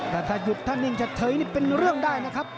แต่ถ้าหยุดถ้านิ่งเฉยนี่เป็นเรื่องได้นะครับ